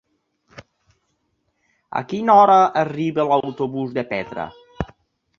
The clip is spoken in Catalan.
A quina hora arriba l'autobús de Petra?